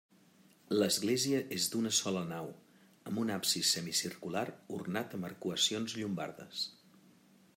L'església és d'una sola nau, amb un absis semicircular ornat amb arcuacions llombardes.